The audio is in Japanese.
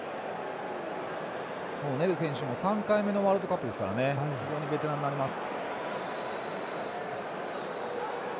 ネル選手も３回目のワールドカップですから非常にベテランになります。